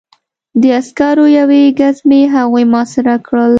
د عسکرو یوې ګزمې هغوی محاصره کړل